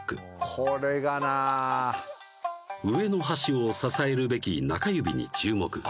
これがな上の箸を支えるべき中指に注目